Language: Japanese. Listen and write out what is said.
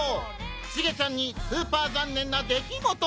シゲちゃんにスーパー残念な出来事も！